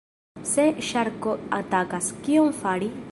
Se ŝarko atakas, kion fari?